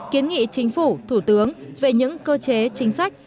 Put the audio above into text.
kiến nghị chính phủ thủ tướng về những cơ chế chính sách